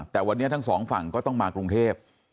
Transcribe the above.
แต่วันนี้ทั้งสองฝั่งก็ต้องมากรุงเทพ